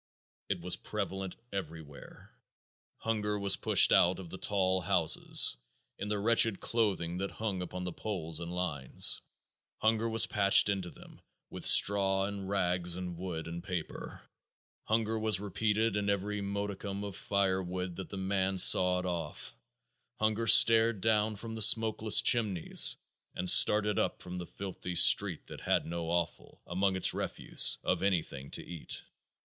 It was prevalent everywhere. Hunger was pushed out of the tall houses, in the wretched clothing that hung upon the poles and lines; hunger was patched into them with straw and rags and wood and paper; hunger was repeated in every modicum of fire wood that the man sawed off; hunger stared down from the smokeless chimneys, and started up from the filthy street that had no offal, among its refuse, of anything to eat.